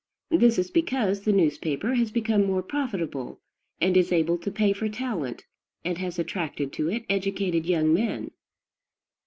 This is because the newspaper has become more profitable, and is able to pay for talent, and has attracted to it educated young men.